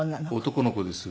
男の子です。